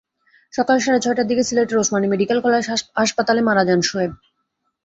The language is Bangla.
সকাল সাড়ে ছয়টার দিকে সিলেটের ওসমানী মেডিকেল কলেজ হাসপাতালে মারা যান সোয়েব।